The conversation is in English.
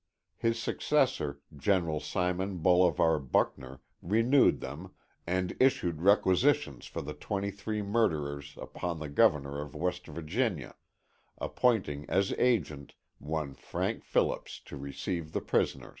His successor, General Simon Bolivar Buckner, renewed them, and issued requisitions for the twenty three murderers upon the governor of West Virginia, appointing as agent one Frank Phillips to receive the prisoners.